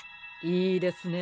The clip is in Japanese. いいですね。